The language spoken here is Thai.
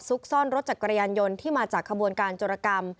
ซ่อนรถจักรยานยนต์ที่มาจากขบวนการจรกรรม